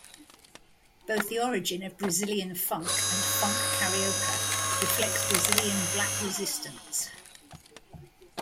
Both the origin of Brazilian funk and "Funk carioca" reflects Brazilian black resistance.